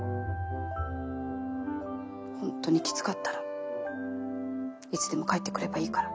本当にきつかったらいつでも帰ってくればいいから。